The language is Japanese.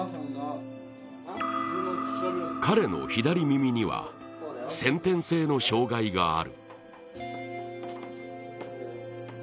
彼の左耳には先天性の障害がある。